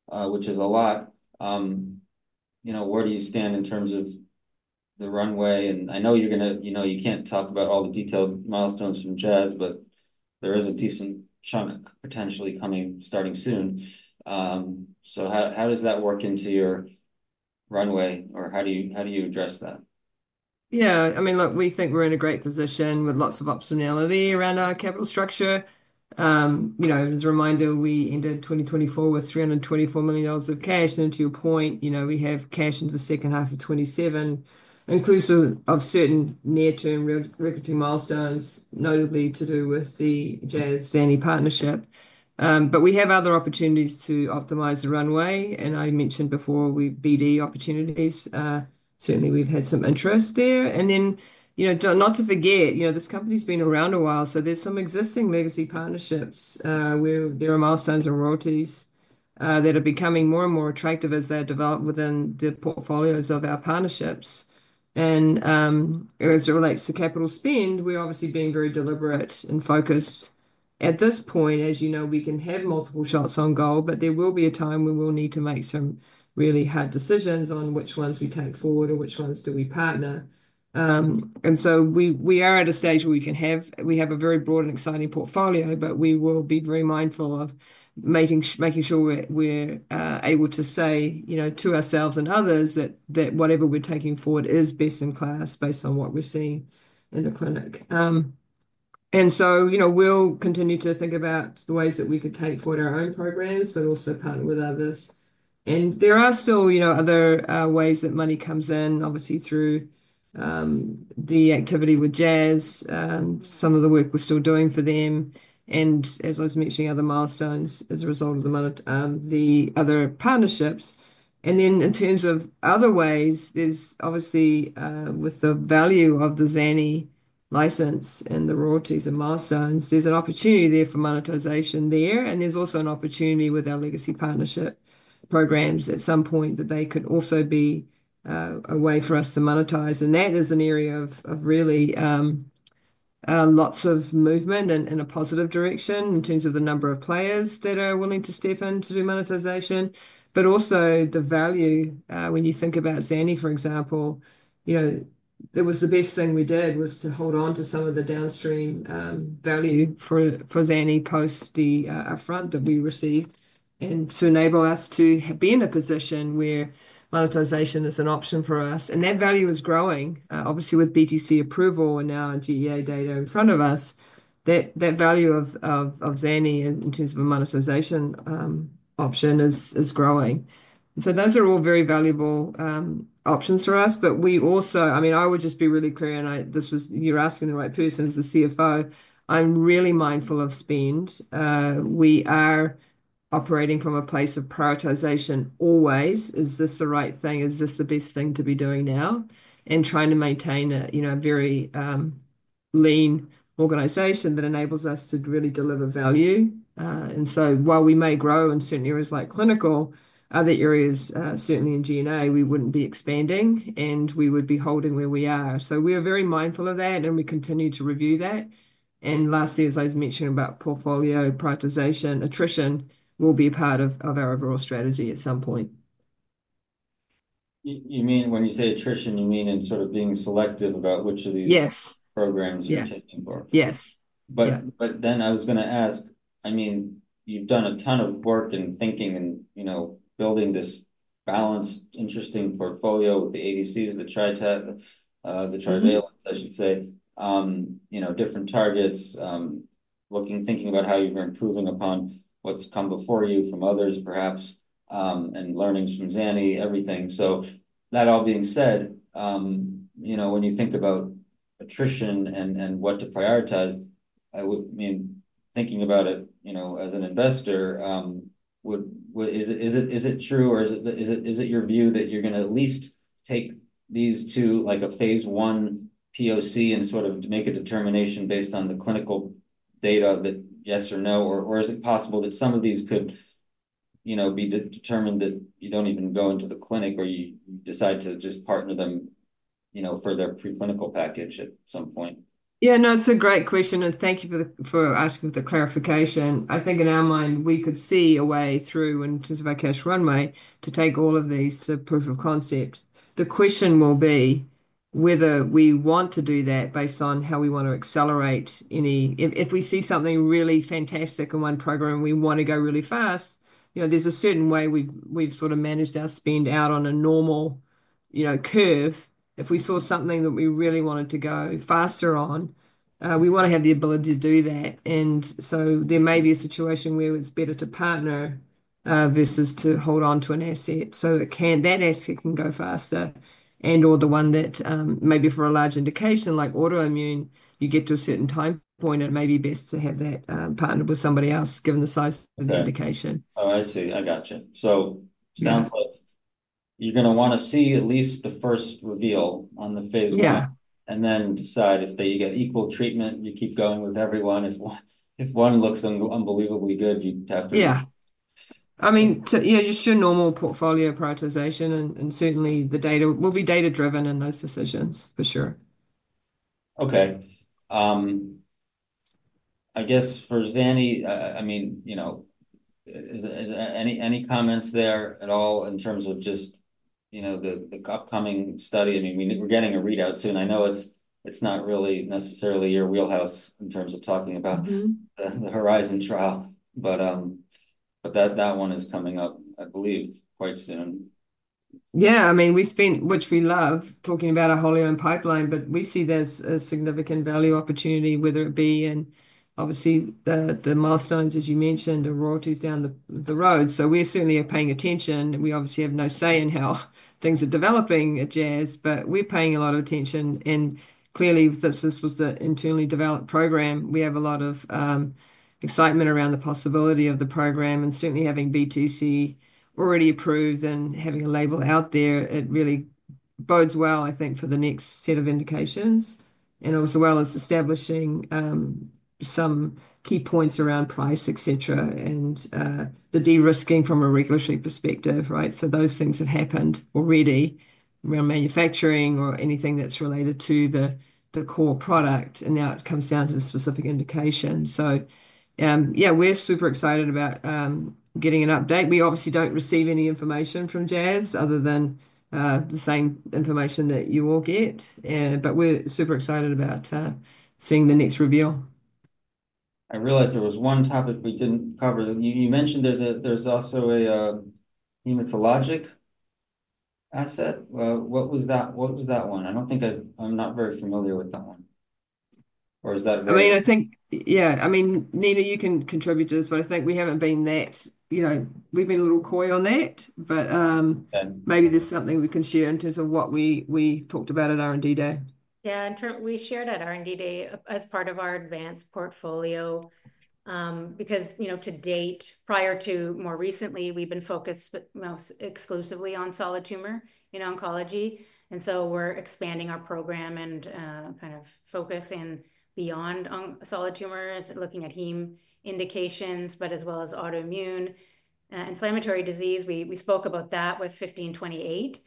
which is a lot, where do you stand in terms of the runway? And I know you're going to—you can't talk about all the detailed milestones from Jazz, but there is a decent chunk potentially starting soon. So how does that work into your runway, or how do you address that? Yeah. I mean, look, we think we're in a great position with lots of optionality around our capital structure. As a reminder, we ended 2024 with $324 million of cash. And to your point, we have cash into the second half of 2027, inclusive of certain near-term real equity milestones, notably to do with the Jazz/Zyme partnership. But we have other opportunities to optimize the runway. And I mentioned before, BD opportunities. Certainly, we've had some interest there. And then not to forget, this company's been around a while. So there's some existing legacy partnerships where there are milestones and royalties that are becoming more and more attractive as they're developed within the portfolios of our partnerships. And as it relates to capital spend, we're obviously being very deliberate and focused. At this point, as you know, we can have multiple shots on goal, but there will be a time when we'll need to make some really hard decisions on which ones we take forward and which ones do we partner. And so we are at a stage where we have a very broad and exciting portfolio, but we will be very mindful of making sure we're able to say to ourselves and others that whatever we're taking forward is best in class based on what we're seeing in the clinic. And so we'll continue to think about the ways that we could take forward our own programs, but also partner with others. And there are still other ways that money comes in, obviously through the activity with Jazz, some of the work we're still doing for them, and as I was mentioning, other milestones as a result of the other partnerships. And then in terms of other ways, there's obviously, with the value of the Zani license and the royalties and milestones, there's an opportunity there for monetization there. And there's also an opportunity with our legacy partnership programs at some point that they could also be a way for us to monetize. And that is an area of really lots of movement in a positive direction in terms of the number of players that are willing to step in to do monetization. But also, the value, when you think about Zani, for example, it was the best thing we did was to hold on to some of the downstream value for Zani post the upfront that we received and to enable us to be in a position where monetization is an option for us. And that value is growing. Obviously, with BTC approval and now GEA data in front of us, that value of Zani in terms of a monetization option is growing. So those are all very valuable options for us. But we also, I mean, I would just be really clear, and you're asking the right person, as the CFO, I'm really mindful of spend. We are operating from a place of prioritization always. Is this the right thing? Is this the best thing to be doing now? Trying to maintain a very lean organization that enables us to really deliver value. While we may grow in certain areas like clinical, other areas, certainly in G&A, we wouldn't be expanding, and we would be holding where we are. We are very mindful of that, and we continue to review that. Lastly, as I was mentioning about portfolio prioritization, attrition will be a part of our overall strategy at some point. You mean when you say attrition, you mean in sort of being selective about which of these programs you're taking forward? Yes. Yes. But then I was going to ask, I mean, you've done a ton of work and thinking and building this balanced, interesting portfolio with the ADCs, the trivalents, I should say, different targets, thinking about how you're improving upon what's come before you from others, perhaps, and learnings from Zani, everything. So that all being said, when you think about attrition and what to prioritize, I mean, thinking about it as an investor, is it true or is it your view that you're going to at least take these two like a phase I POC and sort of make a determination based on the clinical data that yes or no? Or is it possible that some of these could be determined that you don't even go into the clinic or you decide to just partner them for their preclinical package at some point? Yeah. No, it's a great question, and thank you for asking for the clarification. I think in our mind, we could see a way through in terms of our cash runway to take all of these to proof of concept. The question will be whether we want to do that based on how we want to accelerate any. If we see something really fantastic in one program, we want to go really fast. There's a certain way we've sort of managed our spend out on a normal curve. If we saw something that we really wanted to go faster on, we want to have the ability to do that. And so, there may be a situation where it's better to partner versus to hold on to an asset so that asset can go faster and/or the one that maybe for a large indication like autoimmune. You get to a certain time point. It may be best to have that partnered with somebody else given the size of the indication. Oh, I see. I gotcha. So sounds like you're going to want to see at least the first reveal on the phase I and then decide if they get equal treatment, you keep going with everyone. If one looks unbelievably good, you have to. Yeah. I mean, just your normal portfolio prioritization and certainly the data will be data-driven in those decisions, for sure. Okay. I guess for Zani, I mean, any comments there at all in terms of just the upcoming study? I mean, we're getting a readout soon. I know it's not really necessarily your wheelhouse in terms of talking about the HERIZON trial, but that one is coming up, I believe, quite soon. Yeah. I mean, we spend, which we love, talking about our wholly-owned pipeline, but we see there's a significant value opportunity, whether it be in, obviously, the milestones, as you mentioned, the royalties down the road. So we certainly are paying attention. We obviously have no say in how things are developing at Jazz, but we're paying a lot of attention. And clearly, since this was an internally developed program, we have a lot of excitement around the possibility of the program. And certainly, having BTC already approved and having a label out there, it really bodes well, I think, for the next set of indications and as well as establishing some key points around price, etc., and the de-risking from a regulatory perspective, right? So those things have happened already around manufacturing or anything that's related to the core product. And now it comes down to the specific indication. So yeah, we're super excited about getting an update. We obviously don't receive any information from Jazz other than the same information that you all get. But we're super excited about seeing the next reveal. I realized there was one topic we didn't cover. You mentioned there's also a hematologic asset. What was that one? I don't think I'm not very familiar with that one. Or is that? I mean, I think, yeah. I mean, Nina, you can contribute to this, but I think we haven't been that, we've been a little coy on that, but maybe there's something we can share in terms of what we talked about at R&D Day. Yeah. We shared at R&D Day as part of our advanced portfolio because to date, prior to more recently, we've been focused most exclusively on solid tumor in oncology. And so we're expanding our program and kind of focusing beyond solid tumors, looking at heme indications, but as well as autoimmune inflammatory disease. We spoke about that with ZW1528.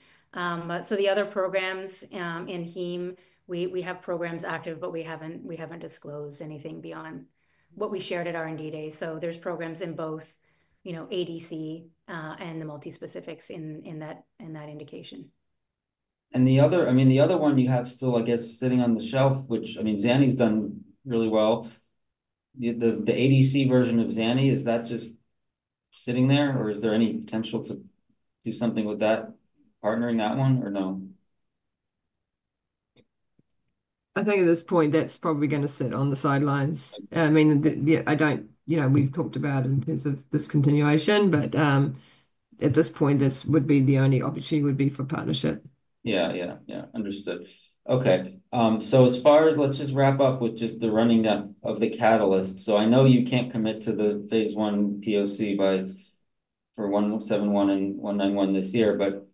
So the other programs in heme, we have programs active, but we haven't disclosed anything beyond what we shared at R&D Day. So there's programs in both ADC and the multi-specifics in that indication. And I mean, the other one you have still, I guess, sitting on the shelf, which I mean, Zani's done really well. The ADC version of Zani, is that just sitting there? Or is there any potential to do something with that, partnering that one or no? I think at this point, that's probably going to sit on the sidelines. I mean, I don't—we've talked about it in terms of this continuation, but at this point, this would be the only opportunity would be for partnership. Understood. Okay. So let's just wrap up with just the running of the catalyst. So I know you can't commit to the phase I POC for ZW171 and ZW191 this year, but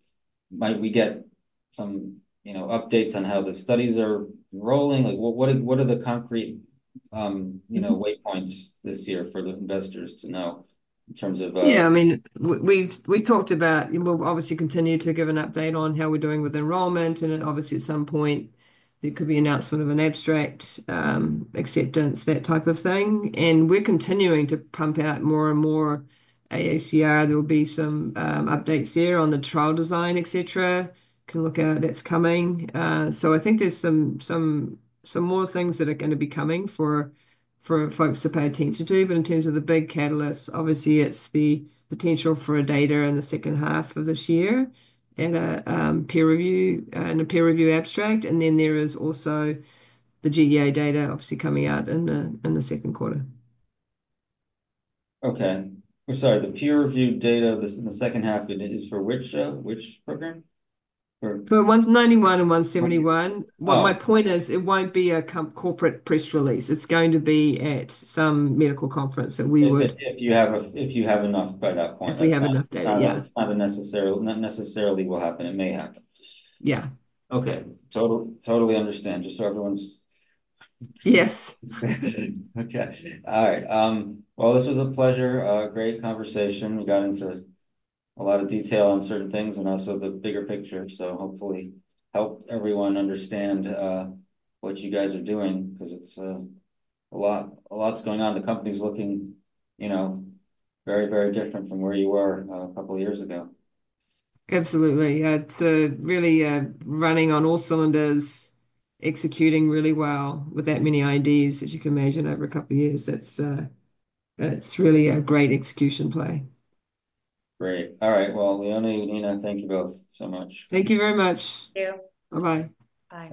might we get some updates on how the studies are rolling? What are the concrete waypoints this year for the investors to know in terms of? Yeah. I mean, we've talked about. We'll obviously continue to give an update on how we're doing with enrollment. And obviously, at some point, there could be announcement of an abstract acceptance, that type of thing. And we're continuing to pump out more and more AACR. There will be some updates there on the trial design, etc. You can look at that. That's coming. So I think there's some more things that are going to be coming for folks to pay attention to. But in terms of the big catalysts, obviously, it's the potential for data in the second half of this year and a peer review abstract. And then there is also the GEJ data, obviously, coming out in the second quarter. Okay. I'm sorry. The peer review data in the second half is for which program? For ZW191 and ZW171. My point is it won't be a corporate press release. It's going to be at some medical conference that we would. If you have enough by that point. If we have enough data, yeah. Not necessarily will happen. It may happen. Yeah. Okay. Totally understand. Just so everyone's. Yes. Okay. All right. Well, this was a pleasure. Great conversation. We got into a lot of detail on certain things and also the bigger picture. So hopefully, helped everyone understand what you guys are doing because a lot's going on. The company's looking very, very different from where you were a couple of years ago. Absolutely. It's really running on all cylinders, executing really well with that many INDs, as you can imagine, over a couple of years. That's really a great execution play. Great. All right. Well, Leone and Nina, thank you both so much. Thank you very much. Thank you. Bye-bye. Bye.